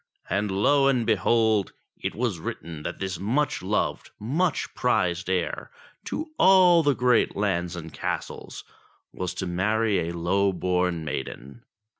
And lo and behold ! it was written that this much loved, much prized heir to all the great lands and castles was to marry a low born maiden.